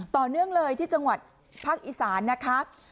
ต่อเนื่องเลยที่จังหวัดภาคอีสานนะคะ